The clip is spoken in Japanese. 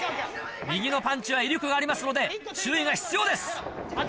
右のパンチは威力がありますので注意が必要です。